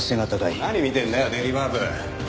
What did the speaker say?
何見てんだよデリバー部。